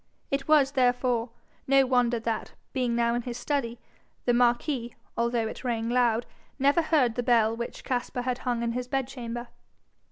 It was, therefore, no wonder that, being now in his study, the marquis, although it rang loud, never heard the bell which Caspar had hung in his bedchamber.